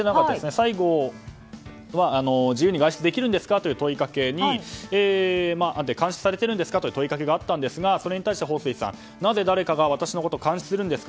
最後、自由に外出できるんですかという問いかけに監視されてるんですかという問いかけがあったんですがそれに対してホウ・スイさんはなぜ誰かが私のことを監視するんですか。